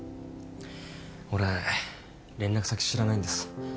俺連絡先知らないんです